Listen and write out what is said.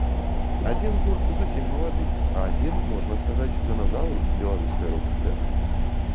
Адзін гурт зусім малады, а адзін, можна сказаць, дыназаўр беларускай рок-сцэны.